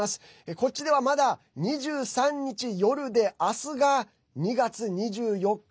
こっちでは、まだ２３日夜で明日が２月２４日。